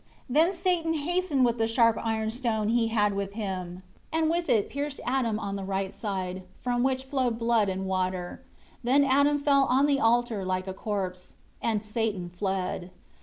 3 Then Satan hastened with the sharp iron stone he had with him, and with it pierced Adam on the right side, from which flowed blood and water, then Adam fell on the altar like a corpse. And Satan fled.